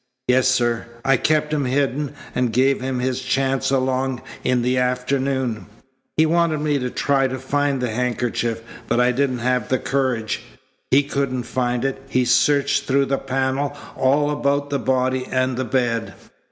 "Yes, sir. I kept him hidden and gave him his chance along in the afternoon. He wanted me to try to find the handkerchief, but I didn't have the courage. He couldn't find it. He searched through the panel all about the body and the bed."